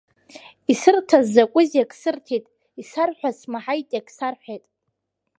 Исырҭаз закәызеи, ак сырҭеит, исарҳәаз смаҳаитеи, ак сарҳәеит.